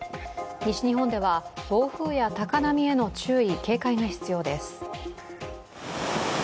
西日本では暴風や高波への注意・警戒が必要です。